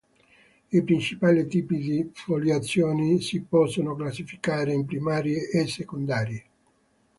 I principali tipi di foliazione si possono classificare in primarie e secondarie.